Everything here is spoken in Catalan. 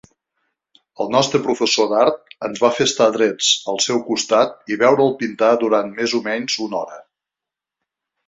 El nostre professor d'art ens va fer estar drets al seu costat i veure'l pintar durant més o menys una hora.